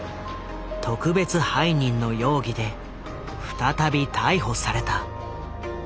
特別背任の容疑で再び逮捕された。